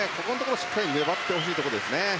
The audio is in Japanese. しっかり粘ってほしいですね。